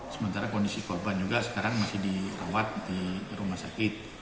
sementara kondisi korban juga sekarang masih dirawat di rumah sakit